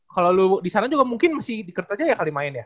kalau lu disana juga mungkin masih di kertajaya kali main ya